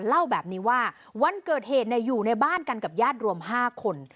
เล่าแบบนี้ว่าวันเกิดเหตุอยู่ในบ้านกันกับญาติรวม๕คน